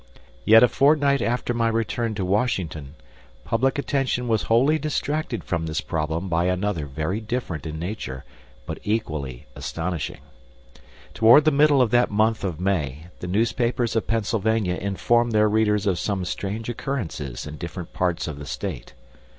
Yet a fortnight after my return to Washington, public attention was wholly distracted from this problem by another very different in nature, but equally astonishing. Toward the middle of that month of May the newspapers of Pennsylvania informed their readers of some strange occurrences in different parts of the state.